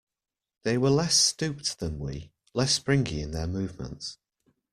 They were less stooped than we, less springy in their movements.